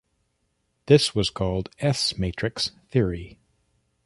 This was called S-matrix theory.